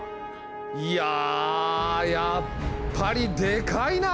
いややっぱりでかいな！